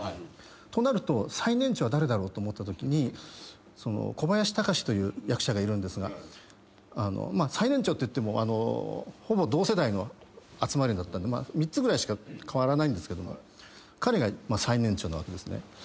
となると最年長は誰だろうと思ったときに小林隆という役者がいるんですがまあ最年長っていってもほぼ同世代の集まりだったんで３つぐらいしか変わらないんですけども彼がまあ最年長なわけですね。